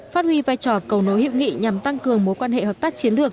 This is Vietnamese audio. phát huy vai trò cầu nối hiệu nghị nhằm tăng cường mối quan hệ hợp tác chiến lược